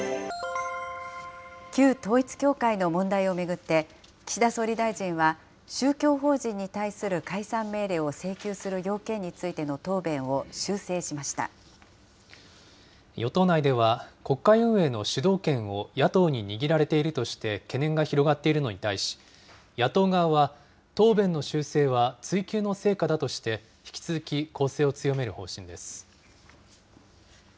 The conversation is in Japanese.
旧統一教会の問題を巡って、岸田総理大臣は、宗教法人に対する解散命令を請求する要件についての答弁を修正し与党内では、国会運営の主導権を野党に握られているとして、懸念が広がっているのに対し、野党側は、答弁の修正は追及の成果だとして、引き続き攻勢を強める方針です。